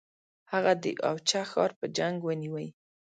هغه د اوچه ښار په جنګ ونیوی.